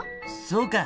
そうか。